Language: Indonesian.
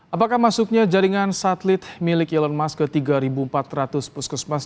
apakah masuknya jaringan satelit milik elon musk ke tiga empat ratus puskesmas